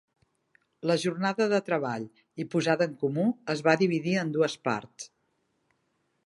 La jornada de treball i posada en comú es va dividir en dues parts.